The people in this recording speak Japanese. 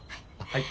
はい。